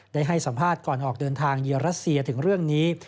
ได้ให้สัมภาษณ์ก่อนออกเดินทางเยือรัสเซียถึงเรื่องนี้